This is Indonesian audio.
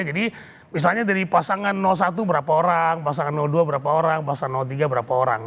jadi misalnya dari pasangan satu berapa orang pasangan dua berapa orang pasangan tiga berapa orang